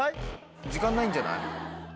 時間ないんじゃない？